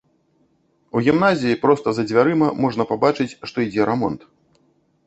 У гімназіі проста за дзвярыма можна пабачыць, што ідзе рамонт.